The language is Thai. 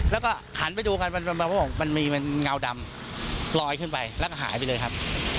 แล้วก็หันไปดูกันมันมีเงาดำลอยขึ้นไปแล้วก็หายไปเลยครับ